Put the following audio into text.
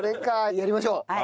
やりましょう。